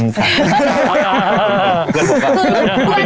เพื่อน